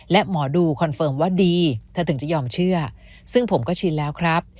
และหมอดูคอนเฟิร์มว่าดีเธอถึงจะยอมเชื่อซึ่งผมก็ชินแล้วครับ